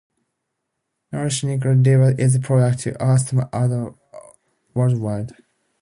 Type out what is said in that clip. Norilsk Nickel delivers its products to customers worldwide.